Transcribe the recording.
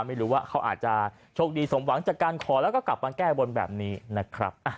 ไม่รู้ว่าเขาอาจจะโชคดีสมหวังจากการขอแล้วก็กลับมาแก้บนแบบนี้นะครับ